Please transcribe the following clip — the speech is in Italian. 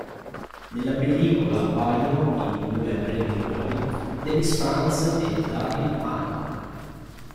Nella pellicola appaiono, in due brevi ruoli, Dennis Franz e Daryl Hannah.